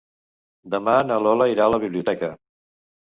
Demà na Lola irà a la biblioteca.